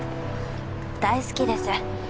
大好きです。